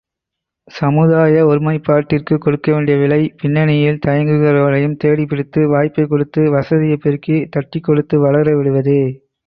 சமுதாய ஒருமைப்பாட்டிற்குக் கொடுக்க வேண்டிய விலை, பின்னணியில் தயங்குகிறவர்களையும் தேடிப்பிடித்து, வாய்ப்பைக் கொடுத்து, வசதியைப் பெருக்கி, தட்டிக்கொடுத்து வளரவிடுவதே.